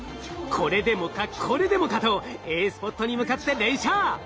これでもかこれでもかとＡスポットに向かって連射！